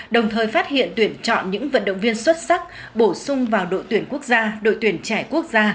đồng thời phát hiện tuyển chọn những vận động viên xuất sắc bổ sung vào đội tuyển quốc gia đội tuyển trẻ quốc gia